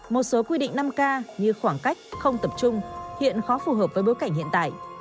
một số quy định năm k như khoảng cách không tập trung hiện khó phù hợp với bối cảnh hiện tại